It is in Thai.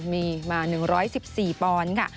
มีมา๑๑๔ปอนด์ค่ะ